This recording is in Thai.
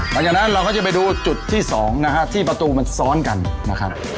หลังจากนั้นเราก็จะไปดูจุดที่๒นะฮะที่ประตูมันซ้อนกันนะครับ